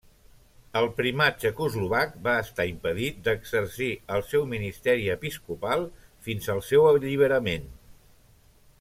El Primat txecoslovac va estar impedit d'exercir el seu ministeri episcopal fins al seu alliberament.